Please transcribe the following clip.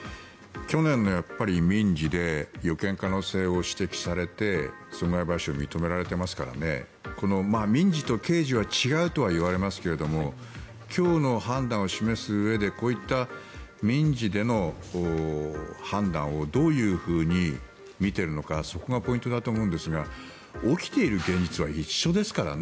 去年の民事で予見可能性を指摘されて損害賠償を認められてますからね民事と刑事は違うとはいわれますけども今日の判断を示すうえでこういった民事での判断をどういうふうに見てるのかそこがポイントだと思うんですが起きている現実は一緒ですからね。